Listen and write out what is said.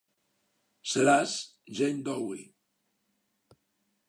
Seràs Jane Doe.